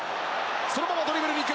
そのままドリブルに行く。